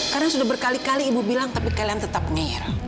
karena sudah berkali kali ibu bilang tapi kalian tetap ngeir